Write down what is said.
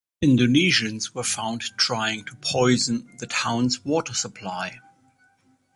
Indonesians were found trying to poison the town's water supply.